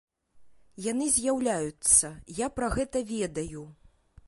Яны з'яўляюцца, я пра гэта ведаю.